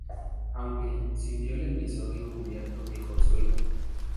Aunque, sintió el episodio cubierto viejo suelo.